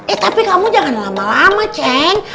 eh tapi kamu jangan lama lama ceng